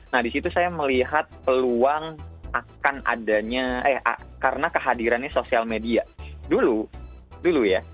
nah disitu saya melihat peluang akan adanya eh karena kehadirannya sosial media dulu ya